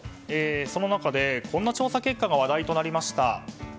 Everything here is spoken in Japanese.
その中で、こんな調査結果が話題となりました。